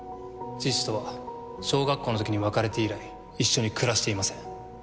父とは小学校の時に別れて以来一緒に暮らしていません。